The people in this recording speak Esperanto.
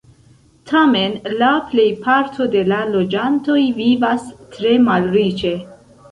Tamen la plejparto de la loĝantoj vivas tre malriĉe.